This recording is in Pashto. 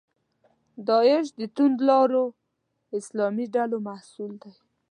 داعش د توندلارو اسلامي ډلو محصول دی.